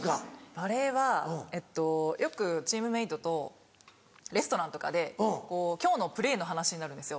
バレーはよくチームメートとレストランとかで今日のプレーの話になるんですよ。